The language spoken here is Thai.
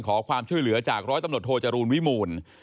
ขอความช่วยเหลือจากร้อยตำรวจโทจรูลวิมูล